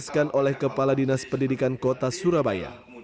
diresmikan oleh kepala dinas pendidikan kota surabaya